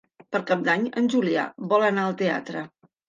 Per Cap d'Any en Julià vol anar al teatre.